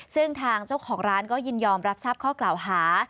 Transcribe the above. ซึ่งทางเจ้าของร้านก็ยินยอมรับทราบข้อกล่าวหา